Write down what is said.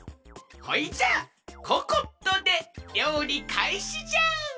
ほいじゃあココットでりょうりかいしじゃ！